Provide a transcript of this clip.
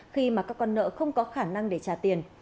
khi mà các con nợ không có khả năng để trả tiền